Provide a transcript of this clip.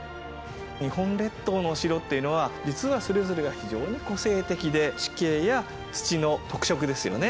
日本列島のお城というのは実はそれぞれが非常に個性的で地形や土の特色ですよね